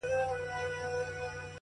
• خوشحال په دې دى چي دا ستا خاوند دی؛